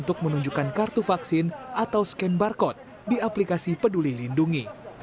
dan juga menunjukkan kartu vaksin atau skan barkod di aplikasi peduli lindungi